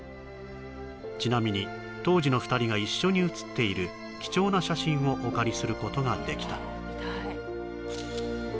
ちなみに当時の２人が一緒に写っている貴重な写真をお借りすることができた